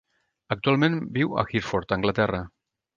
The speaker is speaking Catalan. Actualment viu a Hereford (Anglaterra).